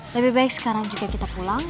lebih baik sekarang juga kita pulang